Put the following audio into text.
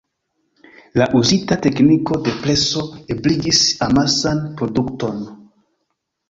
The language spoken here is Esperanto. La uzita tekniko de preso ebligis amasan produkton.